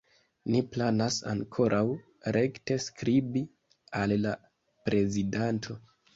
Ni planas ankoraŭ rekte skribi al la prezidanto.